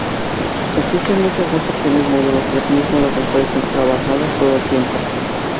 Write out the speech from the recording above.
Existen muchas más opciones, módulos, y asimismo las mejoras son trabajadas todo el tiempo.